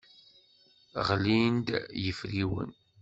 Ɣlin-d yefriwen.